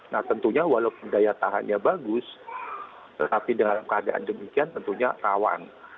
nah tentunya walaupun daya tahannya bagus tetapi dalam keadaan demikian tentunya rawan